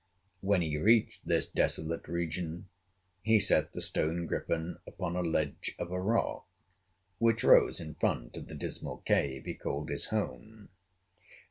When he reached this desolate region, he set the stone Griffin upon a ledge of a rock which rose in front of the dismal cave he called his home.